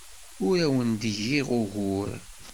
Ur awen-d-giɣ ugur.